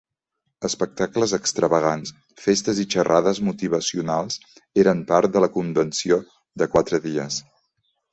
Espectacles extravagants, festes i xerrades motivacionals eren part de la convenció de quatre dies.